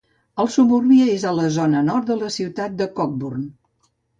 El suburbi és a la zona nord de la ciutat de Cockburn.